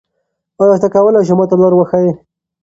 آیا ته کولای ېې ما ته لاره وښیې؟